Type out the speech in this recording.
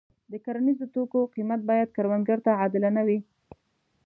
د کرنیزو توکو قیمت باید کروندګر ته عادلانه وي.